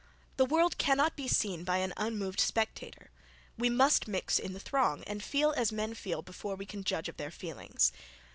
The world cannot be seen by an unmoved spectator, we must mix in the throng, and feel as men feel before we can judge of their feelings.